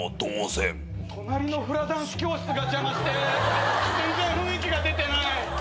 隣のフラダンス教室が邪魔して全然雰囲気が出てない。